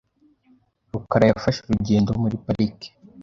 rukara yafashe urugendo muri parike .